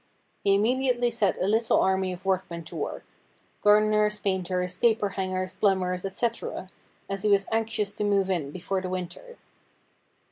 He immediately set a little army of workmen to work — gardeners, painters, paperhangers, plumbers, &c, as he was anxious to move in before the winter.